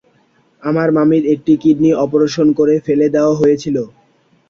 আমার মামির একটি কিডনি অপারেশন করে ফেলে দেওয়া হয়েছিলো।